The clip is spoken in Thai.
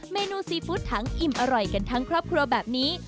เมนูซีฟู้ดถังอิ่มอร่อยกันทั้งครอบครัวแบบนี้